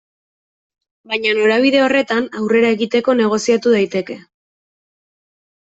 Baina norabide horretan aurrera egiteko negoziatu daiteke.